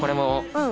うん。